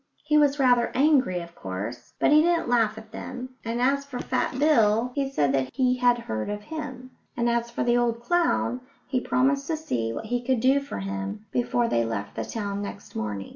He was rather angry, of course, but he didn't laugh at them, and as for Fat Bill, he said that he had heard of him; and as for the old clown, he promised to see what he could do for him before they left the town next morning.